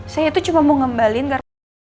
saya itu cuma mau ngembalin karena